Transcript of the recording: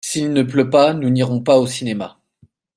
S'il ne pleut pas nous n'irons pas au cinéma.